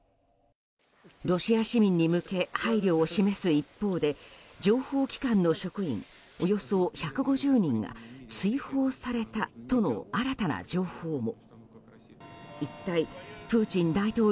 ロシア市民に向け配慮を示す一方で情報機関の職員およそ１５０人が追放されたとの新たな情報も。